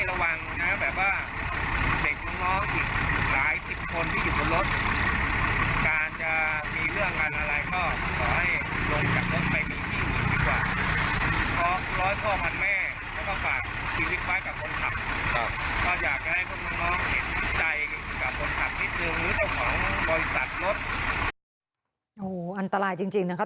โอ้โหอันตรายจริงนะครับ